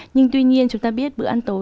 nhưng tuy nhiên chúng ta biết bữa ăn tối